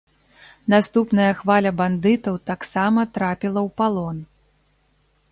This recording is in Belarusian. Наступная хваля бандытаў таксама трапіла ў палон.